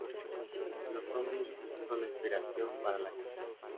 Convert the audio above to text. Los zombis son la inspiración para la canción.